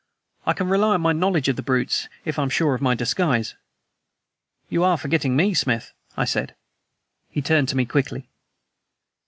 I can rely on my knowledge of the brutes, if I am sure of my disguise." "You are forgetting me, Smith," I said. He turned to me quickly.